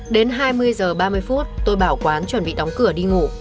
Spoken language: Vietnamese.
đến hai mươi giờ ba mươi phút tôi bảo quán chuẩn bị đóng cửa đi ngủ